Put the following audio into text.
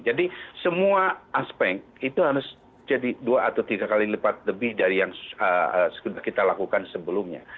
jadi semua aspek itu harus jadi dua atau tiga kali lebih dari yang kita lakukan sebelumnya